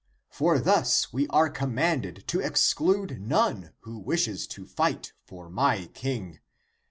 For thus we are commanded to exclude none who wishes to fight for my King.